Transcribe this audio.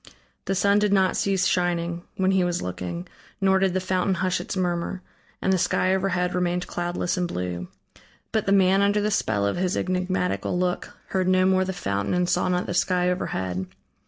The sun did not cease shining, when he was looking, nor did the fountain hush its murmur, and the sky overhead remained cloudless and blue. But the man under the spell of his enigmatical look heard no more the fountain and saw not the sky overhead.